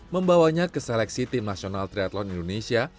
membawanya ke seleksi tim nasional triathlon indonesia